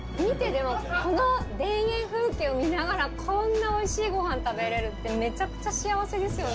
でもこの田園風景を見ながらこんなおいしいごはん食べれるってめちゃくちゃ幸せですよね。